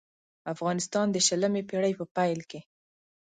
افغانستان د شلمې پېړۍ په پېل کې.